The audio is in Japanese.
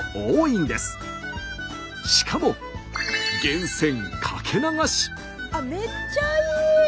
しかもめっちゃいい！